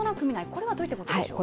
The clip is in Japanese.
これはどういったことでしょう？